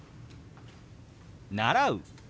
「習う」。